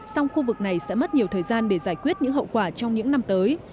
song khu vực này sẽ mất nhiều thời gian để giải quyết những hậu quả trong những năm tới